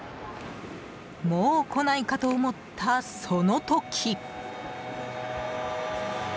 もう来ないかと思った、その時！